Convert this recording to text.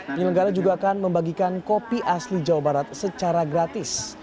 penyelenggara juga akan membagikan kopi asli jawa barat secara gratis